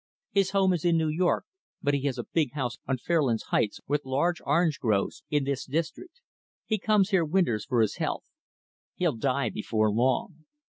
His home is in New York, but he has a big house on Fairlands Heights, with large orange groves in this district. He comes here winters for his health. He'll die before long.